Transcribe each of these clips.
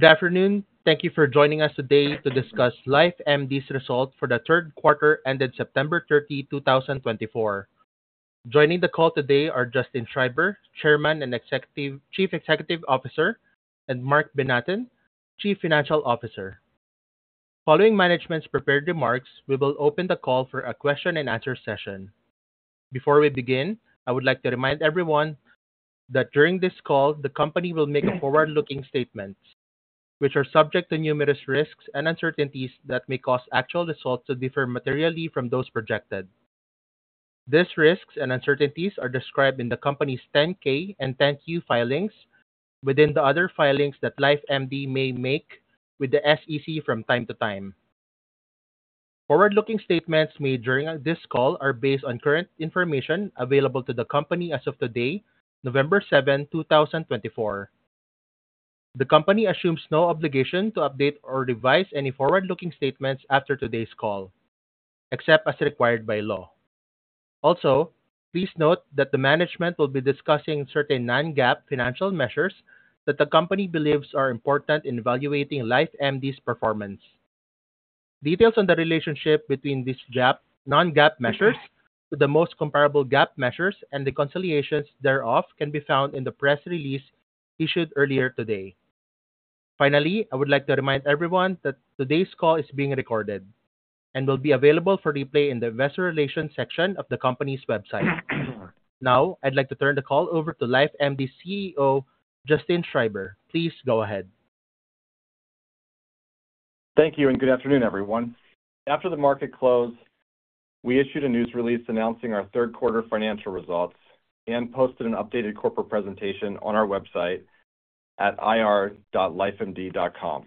Good afternoon. Thank you for joining us today to discuss LifeMD's results for the third quarter ended September 30, 2024. Joining the call today are Justin Schreiber, Chairman and Chief Executive Officer, and Marc Benathen, Chief Financial Officer. Following management's prepared remarks, we will open the call for a question-and-answer session. Before we begin, I would like to remind everyone that during this call, the company will make a forward-looking statement, which is subject to numerous risks and uncertainties that may cause actual results to differ materially from those projected. These risks and uncertainties are described in the company's 10-K and 10-Q filings, within the other filings that LifeMD may make with the SEC from time to time. Forward-looking statements made during this call are based on current information available to the company as of today, November 7, 2024. The company assumes no obligation to update or revise any forward-looking statements after today's call, except as required by law. Also, please note that the management will be discussing certain non-GAAP financial measures that the company believes are important in evaluating LifeMD's performance. Details on the relationship between these non-GAAP measures to the most comparable GAAP measures and the reconciliations thereof can be found in the press release issued earlier today. Finally, I would like to remind everyone that today's call is being recorded and will be available for replay in the investor relations section of the company's website. Now, I'd like to turn the call over to LifeMD's CEO, Justin Schreiber. Please go ahead. Thank you and good afternoon, everyone. After the market closed, we issued a news release announcing our third-quarter financial results and posted an updated corporate presentation on our website at ir.lifemd.com.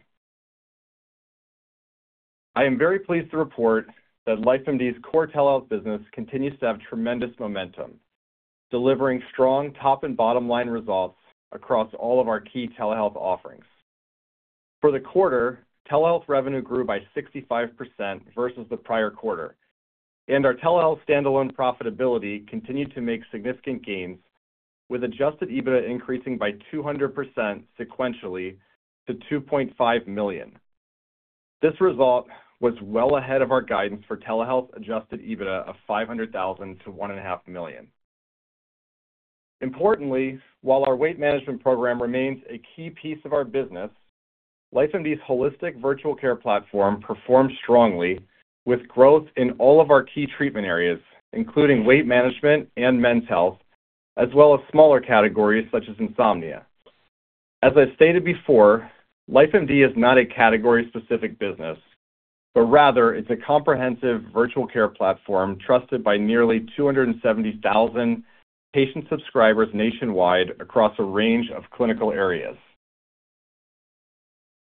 I am very pleased to report that LifeMD's core telehealth business continues to have tremendous momentum, delivering strong top and bottom-line results across all of our key telehealth offerings. For the quarter, telehealth revenue grew by 65% versus the prior quarter, and our telehealth standalone profitability continued to make significant gains, with Adjusted EBIT increasing by 200% sequentially to $2.5 million. This result was well ahead of our guidance for telehealth Adjusted EBITDA of $500,000-$1.5 million. Importantly, while our weight management program remains a key piece of our business, LifeMD's holistic virtual care platform performs strongly, with growth in all of our key treatment areas, including weight management and men's health, as well as smaller categories such as insomnia. As I stated before, LifeMD is not a category-specific business, but rather it's a comprehensive virtual care platform trusted by nearly 270,000 patient subscribers nationwide across a range of clinical areas.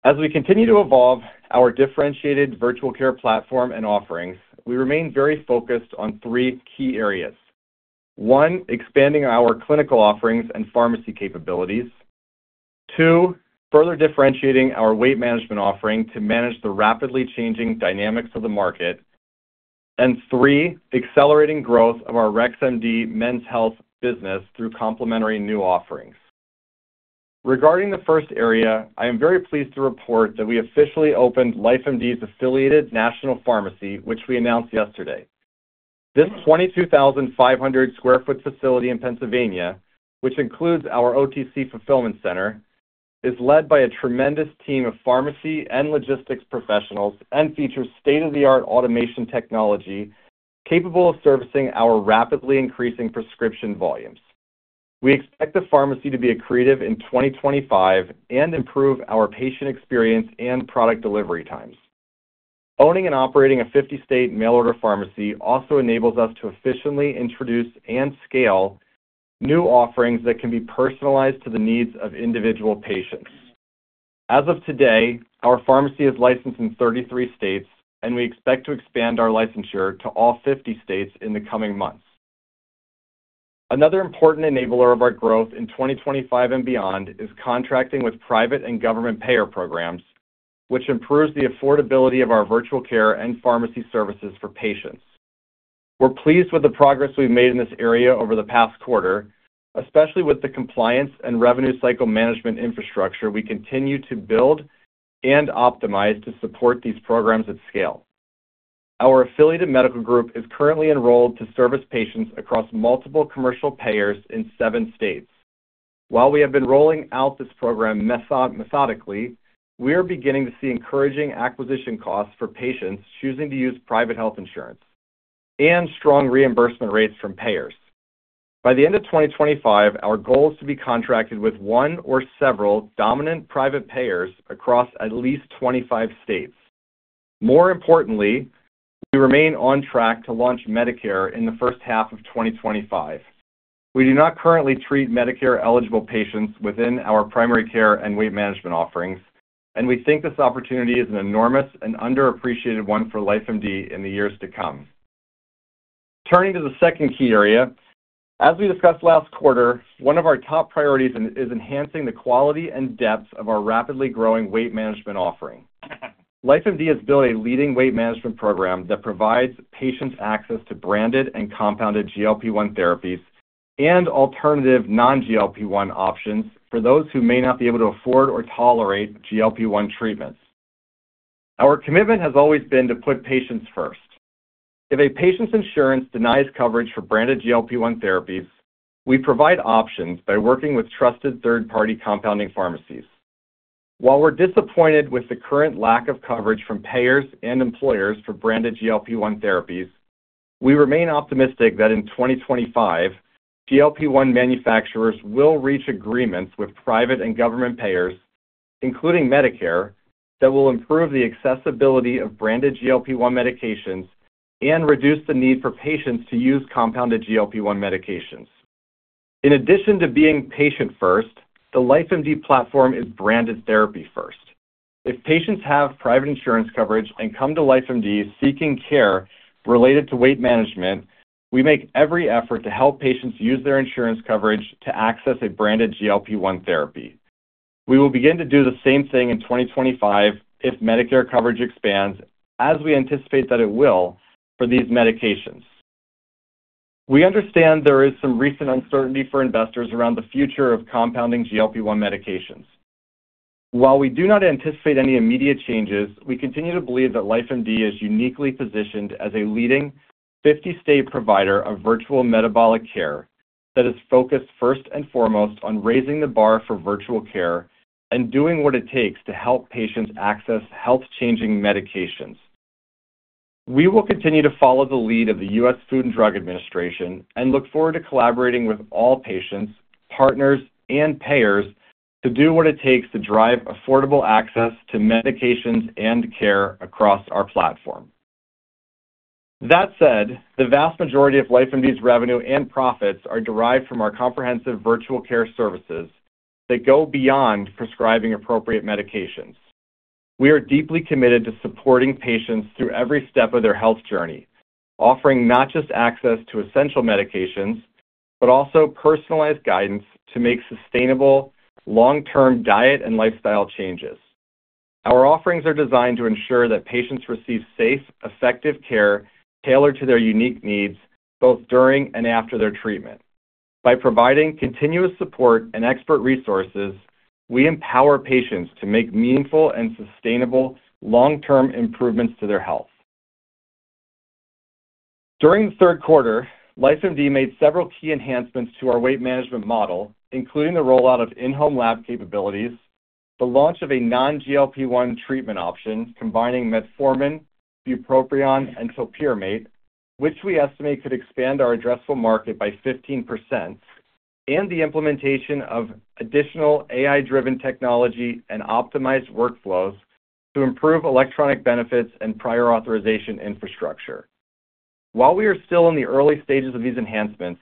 As we continue to evolve our differentiated virtual care platform and offerings, we remain very focused on three key areas: one, expanding our clinical offerings and pharmacy capabilities, two, further differentiating our weight management offering to manage the rapidly changing dynamics of the market, and three, accelerating growth of our RexMD men's health business through complementary new offerings. Regarding the first area, I am very pleased to report that we officially opened LifeMD's affiliated national pharmacy, which we announced yesterday. This 22,500 sq ft facility in Pennsylvania, which includes our OTC fulfillment center, is led by a tremendous team of pharmacy and logistics professionals and features state-of-the-art automation technology capable of servicing our rapidly increasing prescription volumes. We expect the pharmacy to be accretive in 2025 and improve our patient experience and product delivery times. Owning and operating a 50-state mail-order pharmacy also enables us to efficiently introduce and scale new offerings that can be personalized to the needs of individual patients. As of today, our pharmacy is licensed in 33 states, and we expect to expand our licensure to all 50 states in the coming months. Another important enabler of our growth in 2025 and beyond is contracting with private and government payer programs, which improves the affordability of our virtual care and pharmacy services for patients. We're pleased with the progress we've made in this area over the past quarter, especially with the compliance and revenue cycle management infrastructure we continue to build and optimize to support these programs at scale. Our affiliated medical group is currently enrolled to service patients across multiple commercial payers in seven states. While we have been rolling out this program methodically, we are beginning to see encouraging acquisition costs for patients choosing to use private health insurance and strong reimbursement rates from payers. By the end of 2025, our goal is to be contracted with one or several dominant private payers across at least 25 states. More importantly, we remain on track to launch Medicare in the first half of 2025. We do not currently treat Medicare-eligible patients within our primary care and weight management offerings, and we think this opportunity is an enormous and underappreciated one for LifeMD in the years to come. Turning to the second key area, as we discussed last quarter, one of our top priorities is enhancing the quality and depth of our rapidly growing weight management offering. LifeMD has built a leading weight management program that provides patients access to branded and compounded GLP-1 therapies and alternative non-GLP-1 options for those who may not be able to afford or tolerate GLP-1 treatments. Our commitment has always been to put patients first. If a patient's insurance denies coverage for branded GLP-1 therapies, we provide options by working with trusted third-party compounding pharmacies. While we're disappointed with the current lack of coverage from payers and employers for branded GLP-1 therapies, we remain optimistic that in 2025, GLP-1 manufacturers will reach agreements with private and government payers, including Medicare, that will improve the accessibility of branded GLP-1 medications and reduce the need for patients to use compounded GLP-1 medications. In addition to being patient-first, the LifeMD platform is branded therapy-first. If patients have private insurance coverage and come to LifeMD seeking care related to weight management, we make every effort to help patients use their insurance coverage to access a branded GLP-1 therapy. We will begin to do the same thing in 2025 if Medicare coverage expands, as we anticipate that it will for these medications. We understand there is some recent uncertainty for investors around the future of compounding GLP-1 medications. While we do not anticipate any immediate changes, we continue to believe that LifeMD is uniquely positioned as a leading 50-state provider of virtual metabolic care that is focused first and foremost on raising the bar for virtual care and doing what it takes to help patients access health-changing medications. We will continue to follow the lead of the U.S. Food and Drug Administration and look forward to collaborating with all patients, partners, and payers to do what it takes to drive affordable access to medications and care across our platform. That said, the vast majority of LifeMD's revenue and profits are derived from our comprehensive virtual care services that go beyond prescribing appropriate medications. We are deeply committed to supporting patients through every step of their health journey, offering not just access to essential medications, but also personalized guidance to make sustainable, long-term diet and lifestyle changes. Our offerings are designed to ensure that patients receive safe, effective care tailored to their unique needs both during and after their treatment. By providing continuous support and expert resources, we empower patients to make meaningful and sustainable long-term improvements to their health. During the third quarter, LifeMD made several key enhancements to our weight management model, including the rollout of in-home lab capabilities, the launch of a non-GLP-1 treatment option combining metformin, bupropion, and topiramate, which we estimate could expand our addressable market by 15%, and the implementation of additional AI-driven technology and optimized workflows to improve electronic benefits and prior authorization infrastructure. While we are still in the early stages of these enhancements,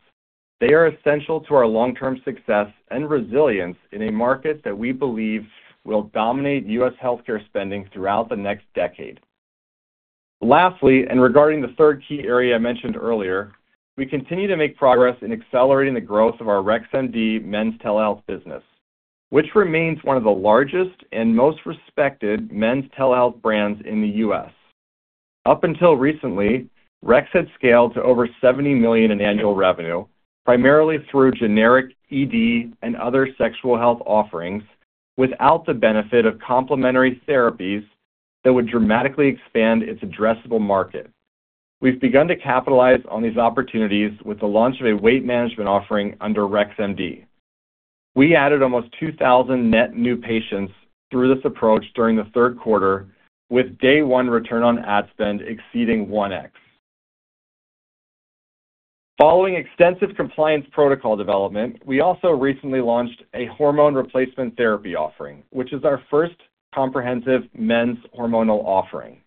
they are essential to our long-term success and resilience in a market that we believe will dominate U.S. healthcare spending throughout the next decade. Lastly, and regarding the third key area I mentioned earlier, we continue to make progress in accelerating the growth of our RexMD men's telehealth business, which remains one of the largest and most respected men's telehealth brands in the U.S. Up until recently, Rex had scaled to over $70 million in annual revenue, primarily through generic ED and other sexual health offerings, without the benefit of complementary therapies that would dramatically expand its addressable market. We've begun to capitalize on these opportunities with the launch of a weight management offering under RexMD. We added almost 2,000 net new patients through this approach during the third quarter, with day-one return on ad spend exceeding 1x. Following extensive compliance protocol development, we also recently launched a hormone replacement therapy offering, which is our first comprehensive men's hormonal offering.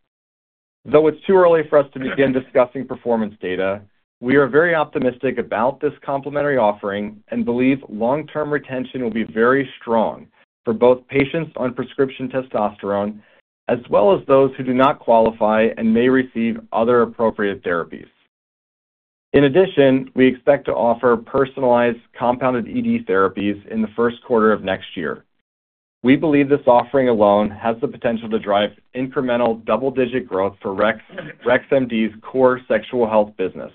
Though it's too early for us to begin discussing performance data, we are very optimistic about this complementary offering and believe long-term retention will be very strong for both patients on prescription testosterone as well as those who do not qualify and may receive other appropriate therapies. In addition, we expect to offer personalized compounded ED therapies in the first quarter of next year. We believe this offering alone has the potential to drive incremental double-digit growth for RexMD's core sexual health business.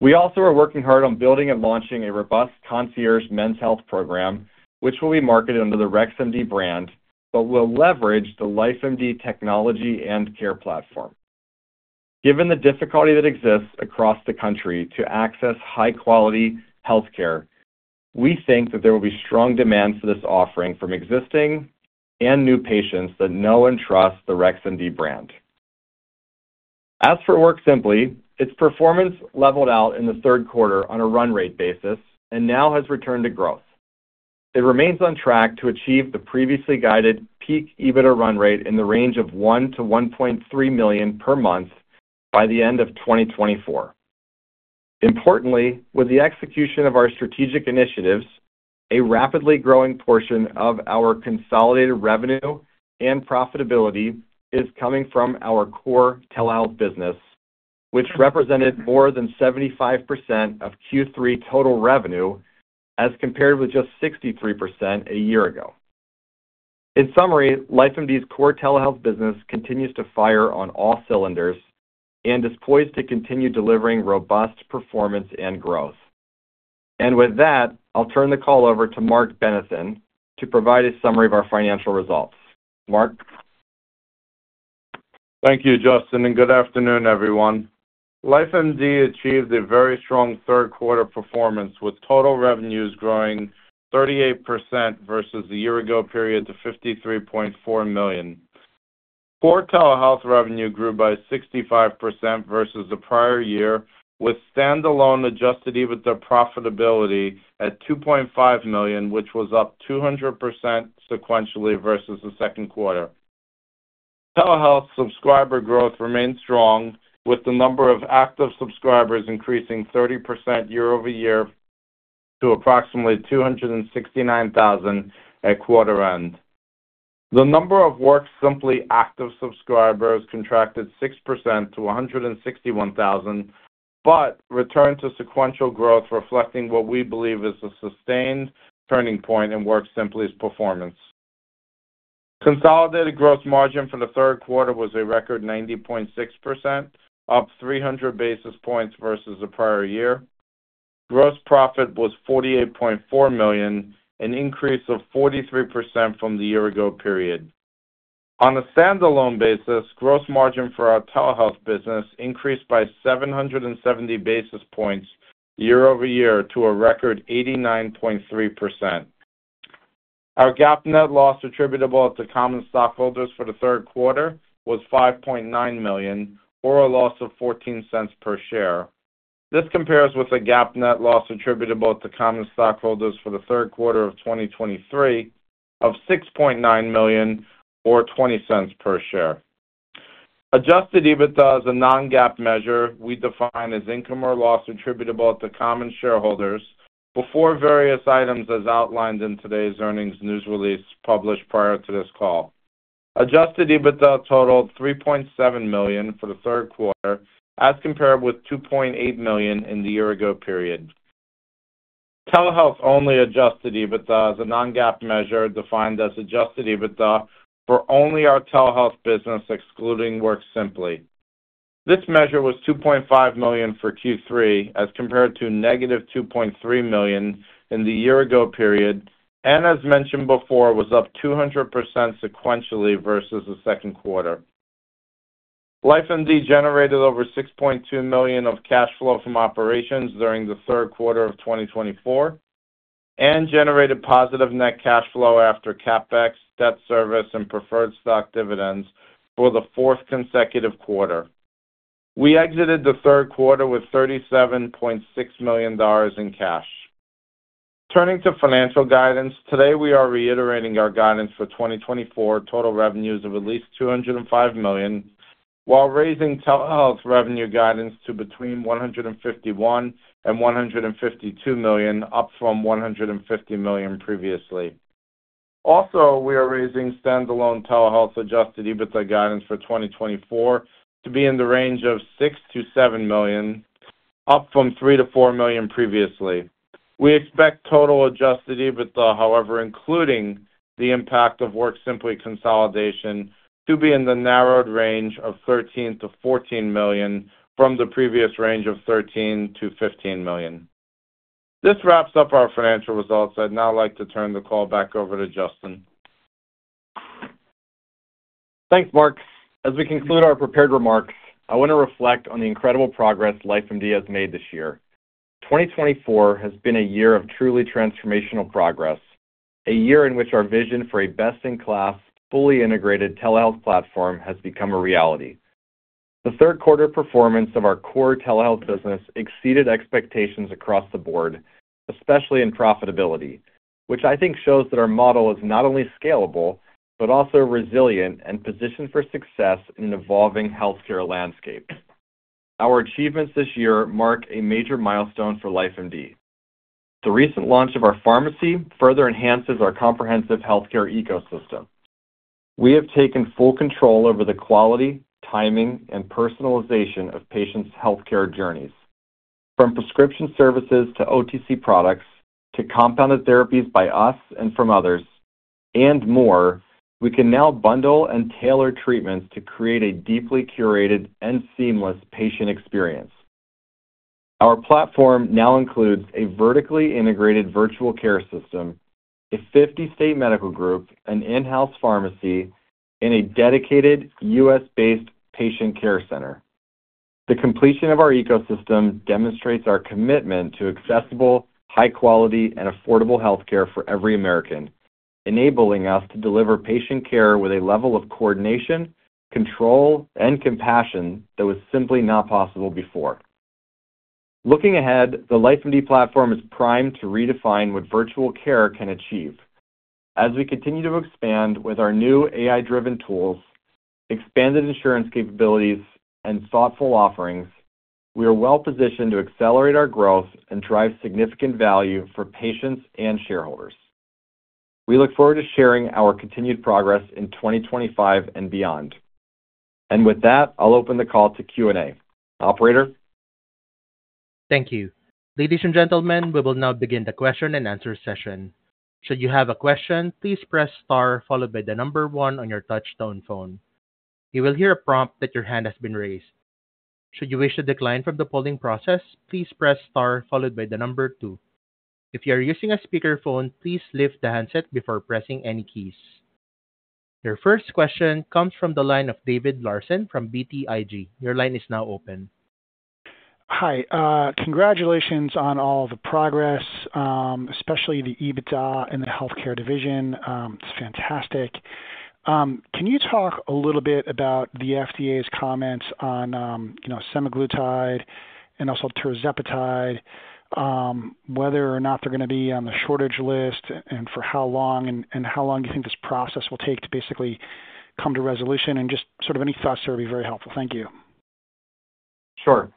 We also are working hard on building and launching a robust concierge men's health program, which will be marketed under the RexMD brand, but will leverage the LifeMD technology and care platform. Given the difficulty that exists across the country to access high-quality healthcare, we think that there will be strong demand for this offering from existing and new patients that know and trust the RexMD brand. As for WorkSimpli, its performance leveled out in the third quarter on a run rate basis and now has returned to growth. It remains on track to achieve the previously guided peak EBITDA run rate in the range of $1-$1.3 million per month by the end of 2024. Importantly, with the execution of our strategic initiatives, a rapidly growing portion of our consolidated revenue and profitability is coming from our core telehealth business, which represented more than 75% of Q3 total revenue as compared with just 63% a year ago. In summary, LifeMD's core telehealth business continues to fire on all cylinders and is poised to continue delivering robust performance and growth. And with that, I'll turn the call over to Marc Benathen to provide a summary of our financial results. Marc. Thank you, Justin, and good afternoon, everyone. LifeMD achieved a very strong third-quarter performance with total revenues growing 38% versus the year-ago period to $53.4 million. Core telehealth revenue grew by 65% versus the prior year, with standalone Adjusted EBITDA profitability at $2.5 million, which was up 200% sequentially versus the second quarter. Telehealth subscriber growth remained strong, with the number of active subscribers increasing 30% year-over-year to approximately 269,000 at quarter-end. The number of WorkSimpli active subscribers contracted 6% to 161,000, but returned to sequential growth, reflecting what we believe is a sustained turning point in WorkSimpli's performance. Consolidated gross margin for the third quarter was a record 90.6%, up 300 basis points versus the prior year. Gross profit was $48.4 million, an increase of 43% from the year-ago period. On a standalone basis, gross margin for our telehealth business increased by 770 basis points year-over-year to a record 89.3%. Our GAAP net loss attributable to common stockholders for the third quarter was $5.9 million, or a loss of $0.14 per share. This compares with a GAAP net loss attributable to common stockholders for the third quarter of 2023 of $6.9 million, or $0.20 per share. Adjusted EBITDA is a non-GAAP measure we define as income or loss attributable to common shareholders before various items as outlined in today's earnings news release published prior to this call. Adjusted EBITDA totaled $3.7 million for the third quarter, as compared with $2.8 million in the year-ago period. Telehealth-only Adjusted EBITDA is a non-GAAP measure defined as Adjusted EBITDA for only our telehealth business, excluding WorkSimpli. This measure was $2.5 million for Q3, as compared to negative $2.3 million in the year-ago period, and as mentioned before, was up 200% sequentially versus the second quarter. LifeMD generated over $6.2 million of cash flow from operations during the third quarter of 2024 and generated positive net cash flow after CapEx, debt service, and preferred stock dividends for the fourth consecutive quarter. We exited the third quarter with $37.6 million in cash. Turning to financial guidance, today we are reiterating our guidance for 2024 total revenues of at least $205 million, while raising telehealth revenue guidance to between $151 million and $152 million, up from $150 million previously. Also, we are raising standalone telehealth Adjusted EBITDA guidance for 2024 to be in the range of $6 million to $7 million, up from $3 million to $4 million previously. We expect total Adjusted EBITDA, however, including the impact of WorkSimpli consolidation, to be in the narrowed range of $13 million to $14 million from the previous range of $13 million to $15 million. This wraps up our financial results. I'd now like to turn the call back over to Justin. Thanks, Marc. As we conclude our prepared remarks, I want to reflect on the incredible progress LifeMD has made this year. 2024 has been a year of truly transformational progress, a year in which our vision for a best-in-class, fully integrated telehealth platform has become a reality. The third-quarter performance of our core telehealth business exceeded expectations across the board, especially in profitability, which I think shows that our model is not only scalable, but also resilient and positioned for success in an evolving healthcare landscape. Our achievements this year mark a major milestone for LifeMD. The recent launch of our pharmacy further enhances our comprehensive healthcare ecosystem. We have taken full control over the quality, timing, and personalization of patients' healthcare journeys. From prescription services to OTC products to compounded therapies by us and from others, and more, we can now bundle and tailor treatments to create a deeply curated and seamless patient experience. Our platform now includes a vertically integrated virtual care system, a 50-state medical group, an in-house pharmacy, and a dedicated U.S.-based patient care center. The completion of our ecosystem demonstrates our commitment to accessible, high-quality, and affordable healthcare for every American, enabling us to deliver patient care with a level of coordination, control, and compassion that was simply not possible before. Looking ahead, the LifeMD platform is primed to redefine what virtual care can achieve. As we continue to expand with our new AI-driven tools, expanded insurance capabilities, and thoughtful offerings, we are well-positioned to accelerate our growth and drive significant value for patients and shareholders. We look forward to sharing our continued progress in 2025 and beyond. And with that, I'll open the call to Q&A. Operator. Thank you. Ladies and gentlemen, we will now begin the question-and-answer session. Should you have a question, please press star followed by the number one on your touch-tone phone. You will hear a prompt that your hand has been raised. Should you wish to decline from the polling process, please press star followed by the number two. If you are using a speakerphone, please lift the handset before pressing any keys. Your first question comes from the line of David Larsen from BTIG. Your line is now open. Hi. Congratulations on all the progress, especially the EBITDA in the healthcare division. It's fantastic. Can you talk a little bit about the FDA's comments on semaglutide and also tirzepatide, whether or not they're going to be on the shortage list and for how long, and how long do you think this process will take to basically come to resolution? And just sort of any thoughts there would be very helpful. Thank you. Sure.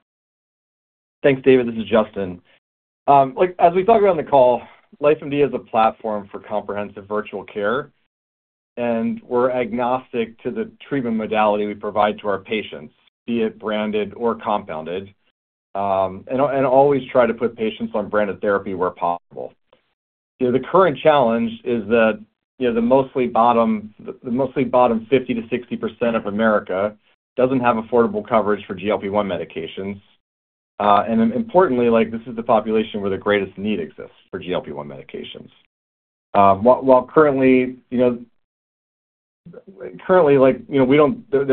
Thanks, David. This is Justin. As we talked about on the call, LifeMD is a platform for comprehensive virtual care, and we're agnostic to the treatment modality we provide to our patients, be it branded or compounded, and always try to put patients on branded therapy where possible. The current challenge is that the mostly bottom 50%-60% of America doesn't have affordable coverage for GLP-1 medications. And importantly, this is the population where the greatest need exists for GLP-1 medications. While currently there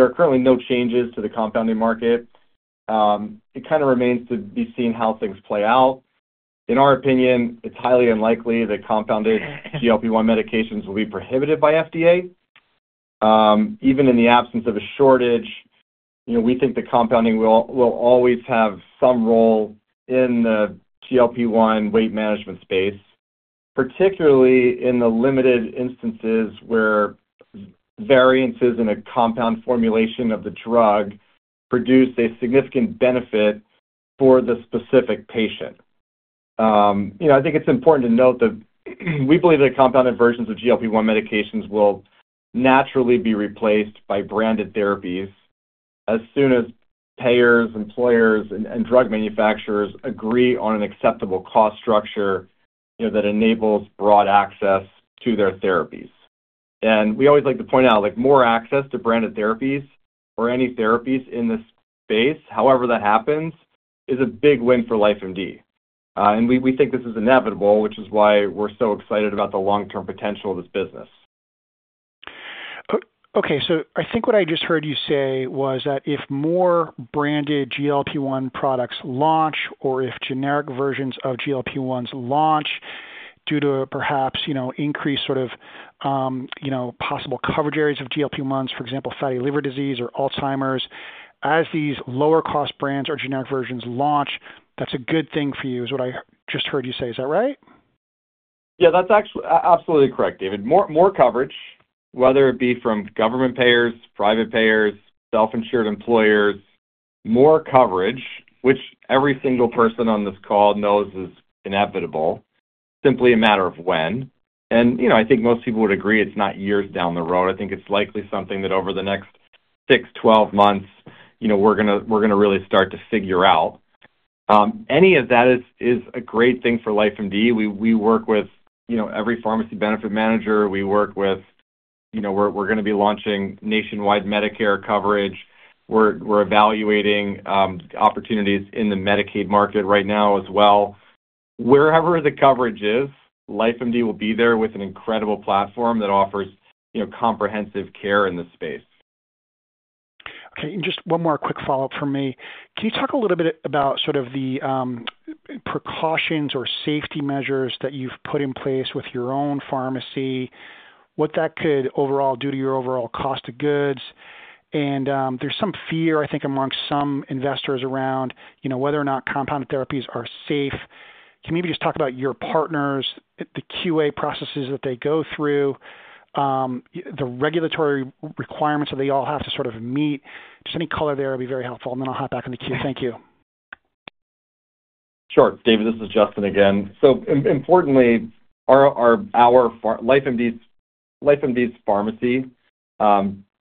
are no changes to the compounding market, it kind of remains to be seen how things play out. In our opinion, it's highly unlikely that compounded GLP-1 medications will be prohibited by FDA. Even in the absence of a shortage, we think that compounding will always have some role in the GLP-1 weight management space, particularly in the limited instances where variances in a compound formulation of the drug produce a significant benefit for the specific patient. I think it's important to note that we believe that compounded versions of GLP-1 medications will naturally be replaced by branded therapies as soon as payers, employers, and drug manufacturers agree on an acceptable cost structure that enables broad access to their therapies. And we always like to point out more access to branded therapies or any therapies in this space, however that happens, is a big win for LifeMD. And we think this is inevitable, which is why we're so excited about the long-term potential of this business. Okay. So I think what I just heard you say was that if more branded GLP-1 products launch or if generic versions of GLP-1s launch due to perhaps increased sort of possible coverage areas of GLP-1s, for example, fatty liver disease or Alzheimer's, as these lower-cost brands or generic versions launch, that's a good thing for you is what I just heard you say. Is that right? Yeah. That's absolutely correct, David. More coverage, whether it be from government payers, private payers, self-insured employers, more coverage, which every single person on this call knows is inevitable. It's simply a matter of when. I think most people would agree it's not years down the road. I think it's likely something that over the next six, 12 months, we're going to really start to figure out. Any of that is a great thing for LifeMD. We work with every pharmacy benefit manager. We're going to be launching nationwide Medicare coverage. We're evaluating opportunities in the Medicaid market right now as well. Wherever the coverage is, LifeMD will be there with an incredible platform that offers comprehensive care in this space. Okay. Just one more quick follow-up from me. Can you talk a little bit about sort of the precautions or safety measures that you've put in place with your own pharmacy, what that could overall do to your overall cost of goods? There's some fear, I think, amongst some investors around whether or not compounded therapies are safe. Can you maybe just talk about your partners, the QA processes that they go through, the regulatory requirements that they all have to sort of meet? Just any color there would be very helpful, and then I'll hop back on the queue. Thank you. Sure. David, this is Justin again. So importantly, our LifeMD's pharmacy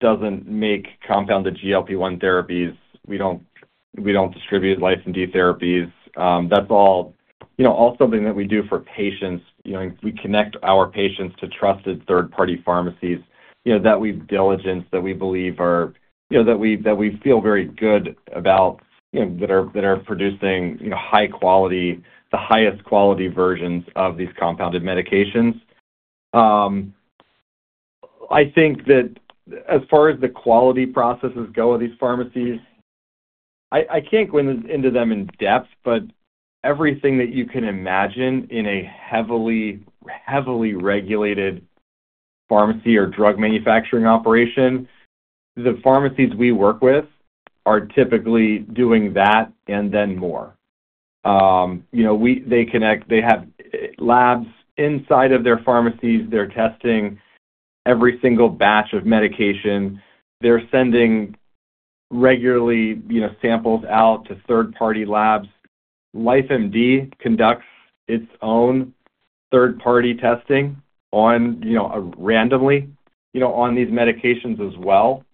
doesn't make compounded GLP-1 therapies. We don't distribute LifeMD therapies. That's all something that we do for patients. We connect our patients to trusted third-party pharmacies that we've diligenced that we believe are, that we feel very good about, that are producing high quality, the highest quality versions of these compounded medications. I think that as far as the quality processes go at these pharmacies, I can't go into them in depth, but everything that you can imagine in a heavily regulated pharmacy or drug manufacturing operation, the pharmacies we work with are typically doing that and then more. They have labs inside of their pharmacies. They're testing every single batch of medication. They're sending regularly samples out to third-party labs. LifeMD conducts its own third-party testing randomly on these medications as well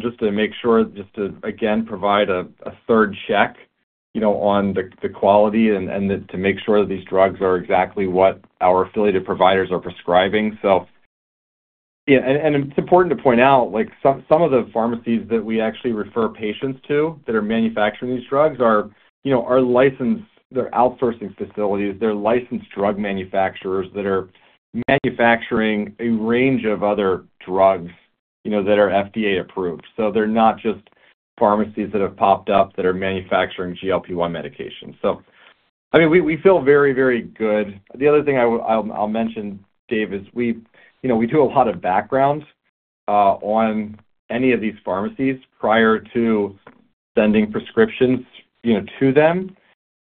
just to make sure, just to, again, provide a third check on the quality and to make sure that these drugs are exactly what our affiliated providers are prescribing. And it's important to point out some of the pharmacies that we actually refer patients to that are manufacturing these drugs are licensed. They're outsourcing facilities. They're licensed drug manufacturers that are manufacturing a range of other drugs that are FDA approved. So they're not just pharmacies that have popped up that are manufacturing GLP-1 medications. So I mean, we feel very, very good. The other thing I'll mention, David, is we do a lot of background on any of these pharmacies prior to sending prescriptions to them.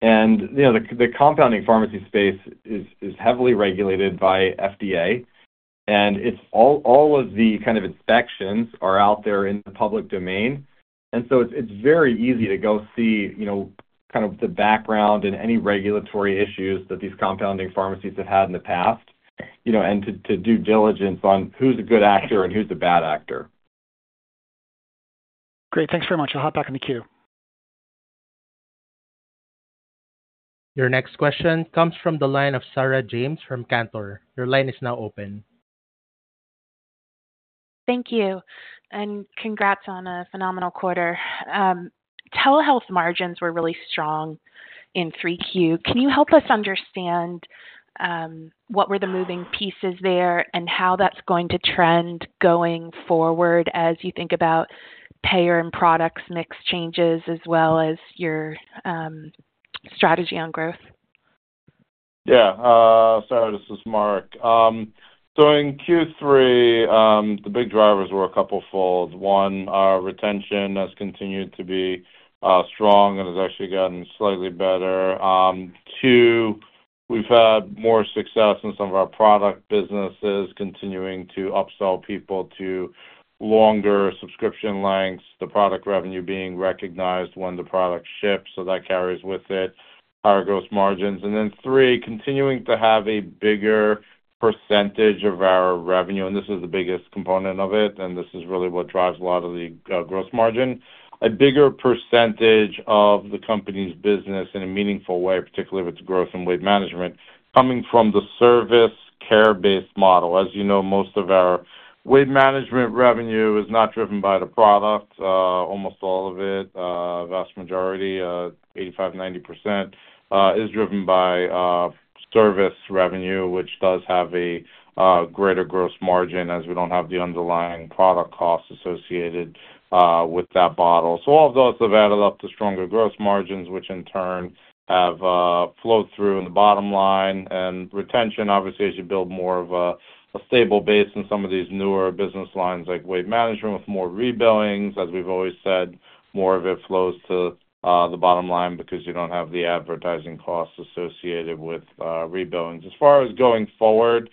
And the compounding pharmacy space is heavily regulated by FDA. And all of the kind of inspections are out there in the public domain. And so it's very easy to go see kind of the background and any regulatory issues that these compounding pharmacies have had in the past and to do due diligence on who's a good actor and who's a bad actor. Great. Thanks very much. I'll hop back on the queue. Your next question comes from the line of Sarah James from Cantor. Your line is now open. Thank you. And congrats on a phenomenal quarter. Telehealth margins were really strong in Q3. Can you help us understand what were the moving pieces there and how that's going to trend going forward as you think about payer and products mix changes as well as your strategy on growth? Yeah. Sorry, this is Marc. So in Q3, the big drivers were a couple of folds. One, our retention has continued to be strong and has actually gotten slightly better. Two, we've had more success in some of our product businesses continuing to upsell people to longer subscription lengths, the product revenue being recognized when the product ships, so that carries with it our gross margins. And then three, continuing to have a bigger percentage of our revenue. And this is the biggest component of it. And this is really what drives a lot of the gross margin. A bigger percentage of the company's business in a meaningful way, particularly with growth and weight management, coming from the service care-based model. As you know, most of our weight management revenue is not driven by the product. Almost all of it, vast majority, 85%-90%, is driven by service revenue, which does have a greater gross margin as we don't have the underlying product cost associated with that bottle. So all of those have added up to stronger gross margins, which in turn have flowed through the bottom line. And retention, obviously, as you build more of a stable base in some of these newer business lines like weight management with more rebillings, as we've always said, more of it flows to the bottom line because you don't have the advertising costs associated with rebillings. As far as going forward,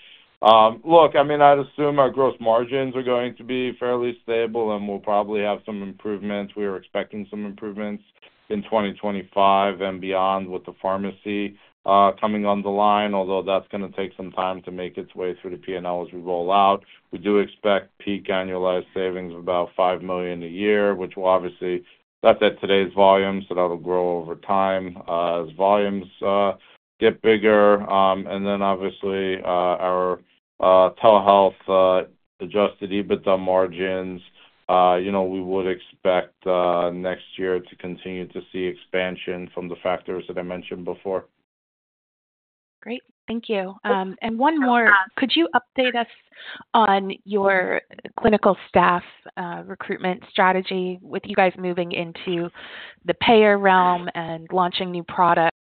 look, I mean, I'd assume our gross margins are going to be fairly stable and we'll probably have some improvements. We are expecting some improvements in 2025 and beyond with the pharmacy coming on the line, although that's going to take some time to make its way through the P&L as we roll out. We do expect peak annualized savings of about $5 million a year, which will obviously, that's at today's volumes, so that'll grow over time as volumes get bigger. And then obviously, our telehealth Adjusted EBITDA margins, we would expect next year to continue to see expansion from the factors that I mentioned before. Great. Thank you. And one more. Could you update us on your clinical staff recruitment strategy with you guys moving into the payer realm and launching new products?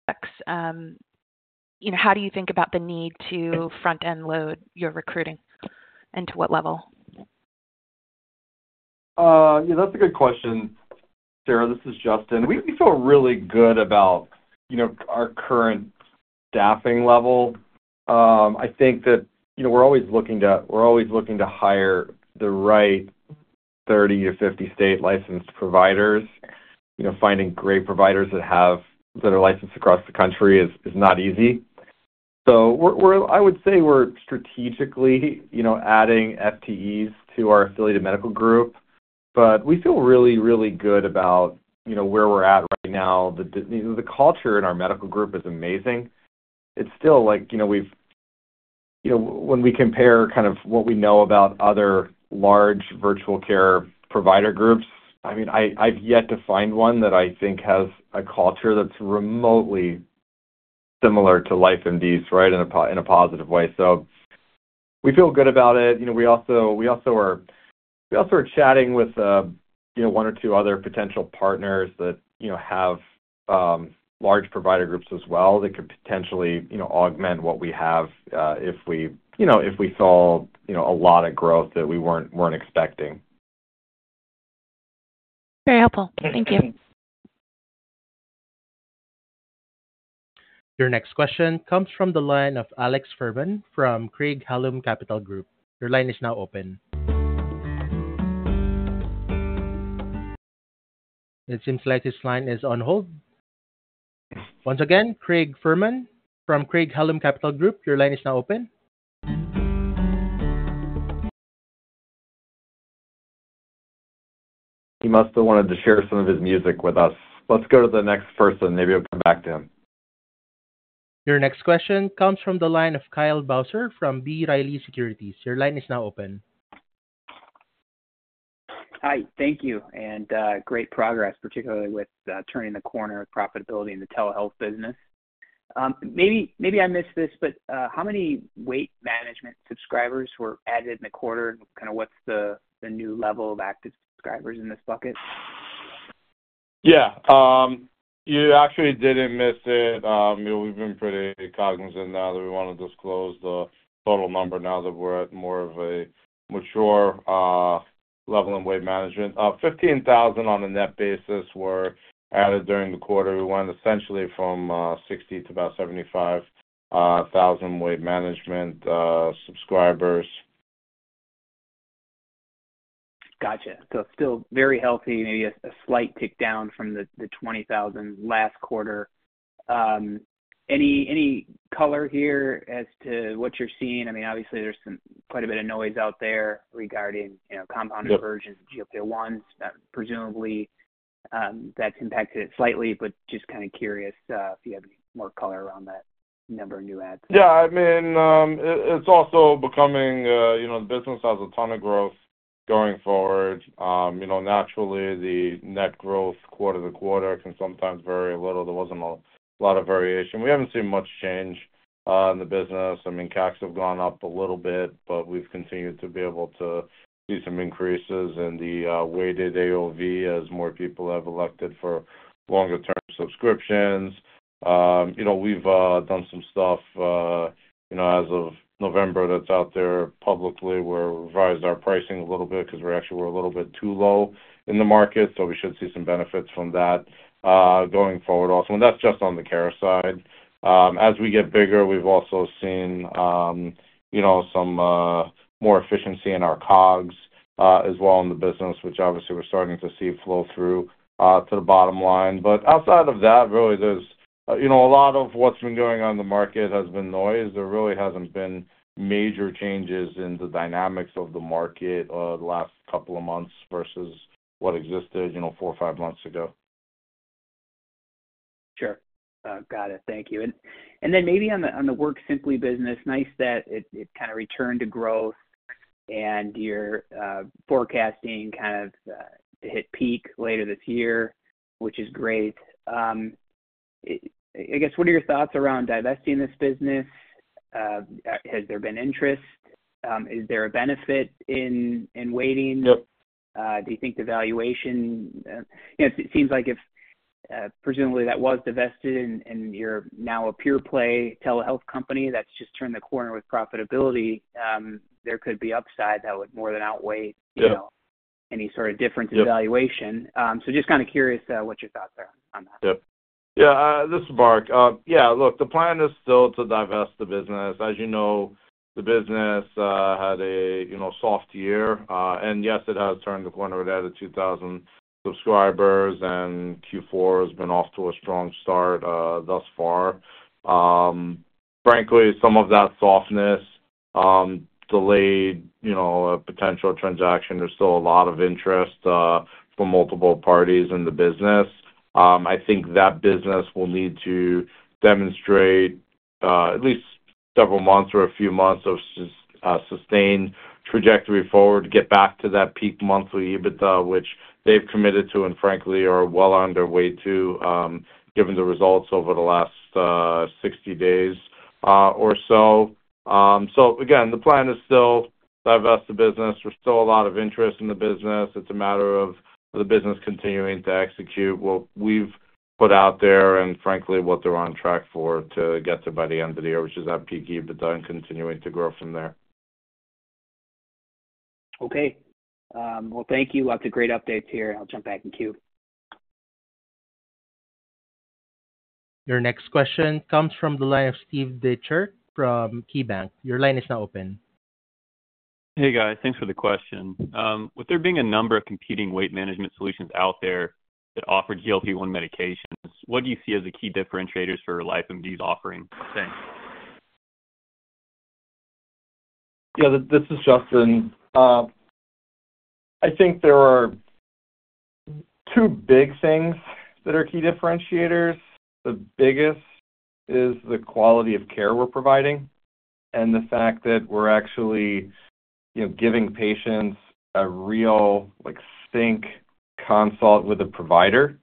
How do you think about the need to front-end load your recruiting and to what level? Yeah. That's a good question. Sarah, this is Justin. We feel really good about our current staffing level. I think that we're always looking to hire the right 30 or 50 state licensed providers. Finding great providers that are licensed across the country is not easy. So I would say we're strategically adding FTEs to our affiliated medical group, but we feel really, really good about where we're at right now. The culture in our medical group is amazing. It's still like when we compare kind of what we know about other large virtual care provider groups, I mean, I've yet to find one that I think has a culture that's remotely similar to LifeMD's, right, in a positive way. So we feel good about it. We also are chatting with one or two other potential partners that have large provider groups as well that could potentially augment what we have if we saw a lot of growth that we weren't expecting. Very helpful. Thank you. Your next question comes from the line of Alex Fuhrman from Craig-Hallum Capital Group. Your line is now open. It seems like his line is on hold. Once again, Alex Fuhrman from Craig-Hallum Capital Group. Your line is now open. He must have wanted to share some of his music with us. Let's go to the next person. Maybe he'll come back to him. Your next question comes from the line of Kyle Bauser from B. Riley Securities. Your line is now open. Hi. Thank you. And great progress, particularly with turning the corner with profitability in the telehealth business. Maybe I missed this, but how many weight management subscribers were added in the quarter? And kind of what's the new level of active subscribers in this bucket? Yeah. You actually didn't miss it. We've been pretty cognizant now that we want to disclose the total number now that we're at more of a mature level in weight management. 15,000 on a net basis were added during the quarter. We went essentially from 60 to about 75,000 weight management subscribers. Gotcha. So still very healthy, maybe a slight tick down from the 20,000 last quarter. Any color here as to what you're seeing? I mean, obviously, there's quite a bit of noise out there regarding compounded versions of GLP-1s. Presumably, that's impacted it slightly, but just kind of curious if you have any more color around that number of new adds. Yeah. I mean, it's also becoming the business has a ton of growth going forward. Naturally, the net growth quarter to quarter can sometimes vary a little. There wasn't a lot of variation. We haven't seen much change in the business. I mean, CACs have gone up a little bit, but we've continued to be able to see some increases in the weighted AOV as more people have elected for longer-term subscriptions. We've done some stuff as of November that's out there publicly. We've revised our pricing a little bit because we actually were a little bit too low in the market. So we should see some benefits from that going forward also. And that's just on the care side. As we get bigger, we've also seen some more efficiency in our COGS as well in the business, which obviously we're starting to see flow through to the bottom line. But outside of that, really, there's a lot of what's been going on in the market has been noise. There really hasn't been major changes in the dynamics of the market the last couple of months versus what existed four or five months ago. Sure. Got it. Thank you. And then maybe on the WorkSimpli business, nice that it kind of returned to growth and you're forecasting kind of to hit peak later this year, which is great. I guess, what are your thoughts around divesting this business? Has there been interest? Is there a benefit in waiting? Do you think the valuation? Yeah, it seems like if presumably that was divested and you're now a pure-play telehealth company that's just turned the corner with profitability, there could be upside that would more than outweigh any sort of difference in valuation. So just kind of curious what your thoughts are on that. Yeah. This is Marc. Yeah. Look, the plan is still to divest the business. As you know, the business had a soft year. And yes, it has turned the corner with added 2,000 subscribers, and Q4 has been off to a strong start thus far. Frankly, some of that softness delayed a potential transaction. There's still a lot of interest from multiple parties in the business. I think that business will need to demonstrate at least several months or a few months of sustained trajectory forward to get back to that peak monthly EBITDA, which they've committed to and frankly are well on their way to given the results over the last 60 days or so. So again, the plan is still to divest the business. There's still a lot of interest in the business. It's a matter of the business continuing to execute what we've put out there and frankly what they're on track for to get to by the end of the year, which is that peak EBITDA and continuing to grow from there. Okay. Well, thank you. Lots of great updates here. I'll jump back in queue. Your next question comes from the line of Steve Dechert from KeyBanc. Your line is now open. Hey, guys. Thanks for the question. With there being a number of competing weight management solutions out there that offer GLP-1 medications, what do you see as the key differentiators for LifeMD's offering? Thanks. Yeah. This is Justin. I think there are two big things that are key differentiators. The biggest is the quality of care we're providing and the fact that we're actually giving patients a real sync consult with a provider.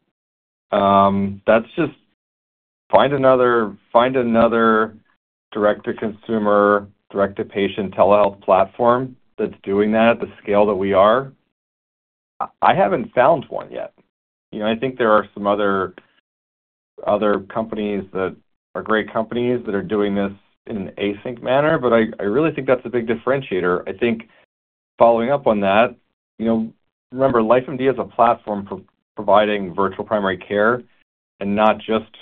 Find another direct-to-consumer, direct-to-patient telehealth platform that's doing that at the scale that we are. I haven't found one yet. I think there are some other companies that are great companies that are doing this in an async manner, but I really think that's a big differentiator. I think following up on that, remember, LifeMD is a platform for providing virtual primary care and not just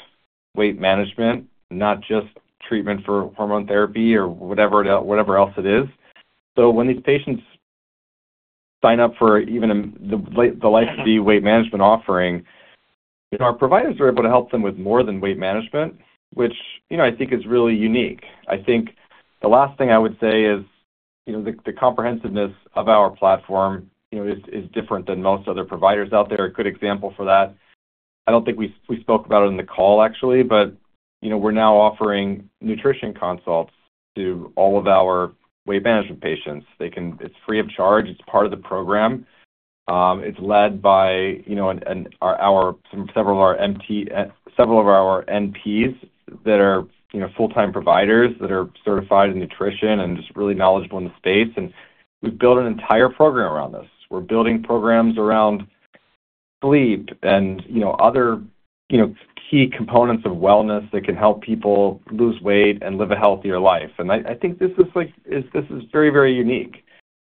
weight management, not just treatment for hormone therapy or whatever else it is. So when these patients sign up for even the LifeMD weight management offering, our providers are able to help them with more than weight management, which I think is really unique. I think the last thing I would say is the comprehensiveness of our platform is different than most other providers out there. A good example for that, I don't think we spoke about it in the call, actually, but we're now offering nutrition consults to all of our weight management patients. It's free of charge. It's part of the program. It's led by several of our NPs that are full-time providers that are certified in nutrition and just really knowledgeable in the space. And we've built an entire program around this. We're building programs around sleep and other key components of wellness that can help people lose weight and live a healthier life. And I think this is very, very unique.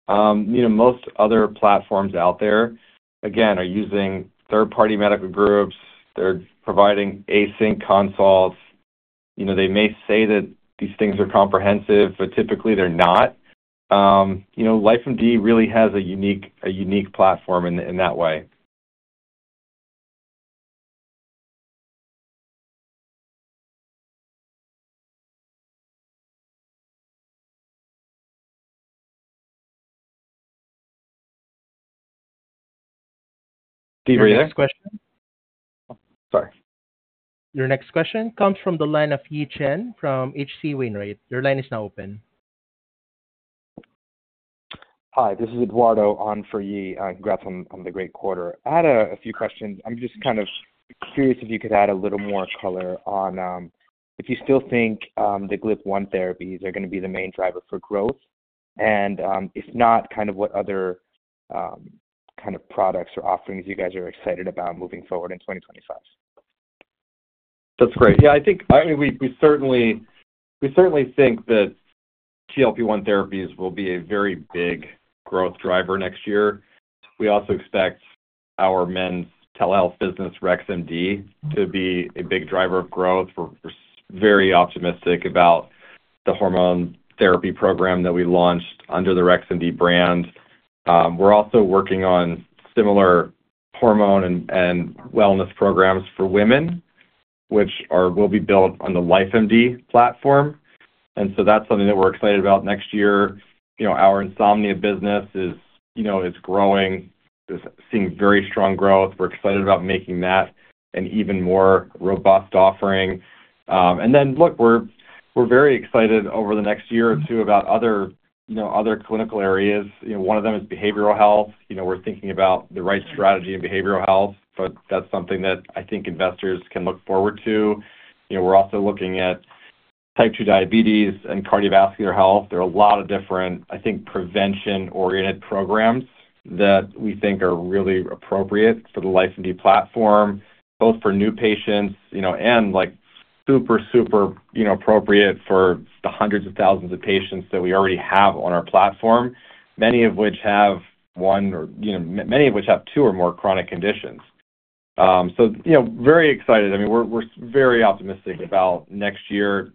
Most other platforms out there, again, are using third-party medical groups. They're providing async consults. They may say that these things are comprehensive, but typically, they're not. LifeMD really has a unique platform in that way. Steve, are you there? Sorry. Your next question comes from the line of Yi Chen from H.C. Wainwright. Your line is now open. Hi. This is Eduardo on for Yi. Congrats on the great quarter. I had a few questions. I'm just kind of curious if you could add a little more color on if you still think the GLP-1 therapies are going to be the main driver for growth. And if not, kind of what other kind of products or offerings you guys are excited about moving forward in 2025. That's great. Yeah. I mean, we certainly think that GLP-1 therapies will be a very big growth driver next year. We also expect our men's telehealth business, RexMD, to be a big driver of growth. We're very optimistic about the hormone therapy program that we launched under the RexMD brand. We're also working on similar hormone and wellness programs for women, which will be built on the LifeMD platform. And so that's something that we're excited about next year. Our insomnia business is growing. We're seeing very strong growth. We're excited about making that an even more robust offering. And then, look, we're very excited over the next year or two about other clinical areas. One of them is behavioral health. We're thinking about the right strategy in behavioral health. So that's something that I think investors can look forward to. We're also looking at type 2 diabetes and cardiovascular health. There are a lot of different, I think, prevention-oriented programs that we think are really appropriate for the LifeMD platform, both for new patients and super, super appropriate for the hundreds of thousands of patients that we already have on our platform, many of which have one or two or more chronic conditions. So very excited. I mean, we're very optimistic about next year.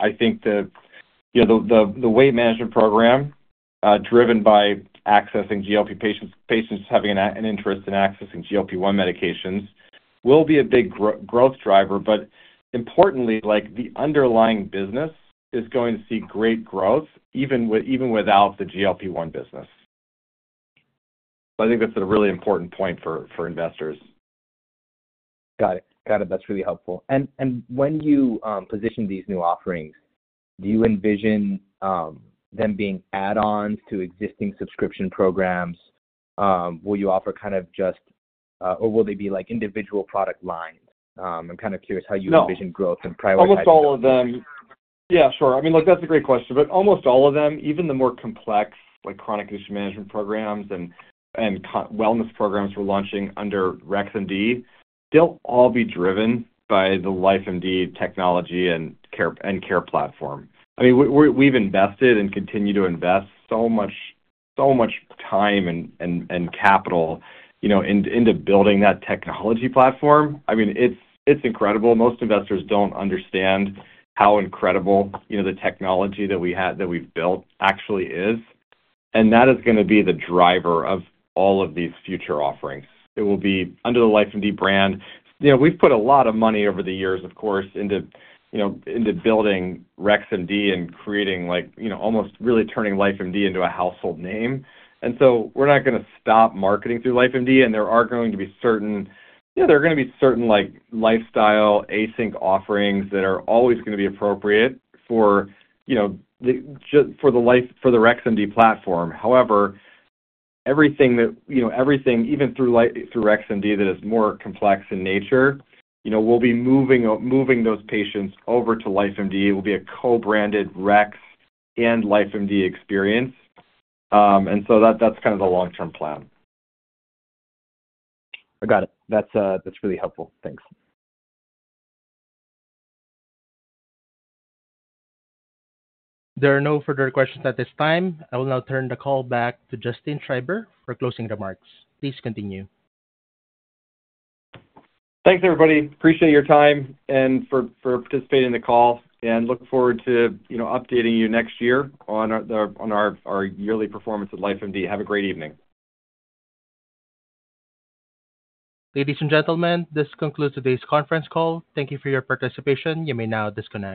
I think that the weight management program, driven by accessing GLP-1 patients having an interest in accessing GLP-1 medications, will be a big growth driver. But importantly, the underlying business is going to see great growth even without the GLP-1 business. So I think that's a really important point for investors. Got it. Got it. That's really helpful. And when you position these new offerings, do you envision them being add-ons to existing subscription programs? Will you offer kind of just or will they be individual product lines? I'm kind of curious how you envision growth and prioritizing. Almost all of them. Yeah. Sure. I mean, that's a great question, but almost all of them, even the more complex chronic condition management programs and wellness programs we're launching under RexMD, will still all be driven by the LifeMD technology and care platform. I mean, we've invested and continue to invest so much time and capital into building that technology platform. I mean, it's incredible. Most investors don't understand how incredible the technology that we've built actually is, and that is going to be the driver of all of these future offerings. It will be under the LifeMD brand. We've put a lot of money over the years, of course, into building RexMD and creating almost really turning LifeMD into a household name. And so we're not going to stop marketing through LifeMD. And there are going to be certain lifestyle async offerings that are always going to be appropriate for the RexMD platform. However, everything, even through RexMD, that is more complex in nature, we'll be moving those patients over to LifeMD. It will be a co-branded Rex and LifeMD experience. And so that's kind of the long-term plan. I got it. That's really helpful. Thanks. There are no further questions at this time. I will now turn the call back to Justin Schreiber for closing remarks. Please continue. Thanks, everybody. Appreciate your time and for participating in the call. And look forward to updating you next year on our yearly performance of LifeMD. Have a great evening. Ladies and gentlemen, this concludes today's conference call. Thank you for your participation. You may now disconnect.